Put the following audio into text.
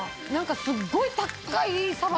すっごい高いサバ